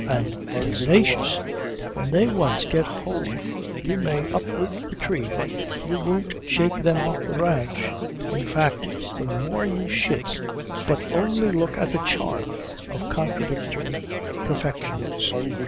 And tenacious! When they once get hold you may uproot the tree but you won't shake them off the branch. In fact the more you shake ... But only look at the charm of contradictory perfections!